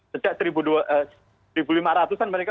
sejak seribu lima ratus an mereka udah pakai fosil begitu